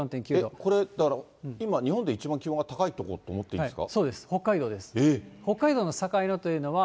これ、だから、今、日本で一番気温が高い所と思っていいですか？